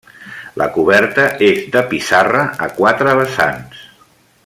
La coberta és de pissarra, a quatre vessants.